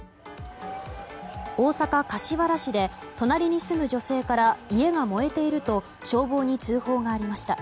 大阪・柏原市で隣に住む女性から家が燃えていると消防に通報がありました。